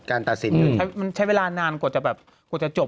การตัดสินอยู่ใช้เวลานานกว่าจะจบ